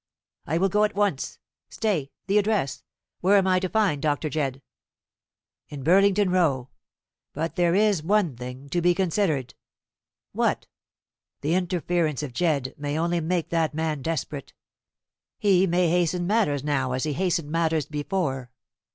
"I will go at once. Stay the address! Where am I to find Dr. Jedd?" "In Burlington Row. But there is one thing to be considered." "What?" "The interference of Jedd may only make that man desperate. He may hasten matters now as he hastened matters before.